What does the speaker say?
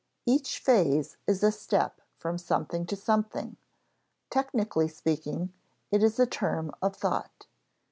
Each phase is a step from something to something technically speaking, it is a term of thought.